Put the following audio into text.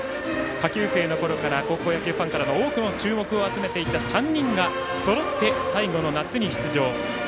下級生のころから高校野球ファンから多くの注目を集めていた３人がそろって最後の夏に出場。